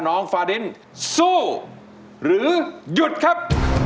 น้องฝ่าดินสู้หรือหยุดครับ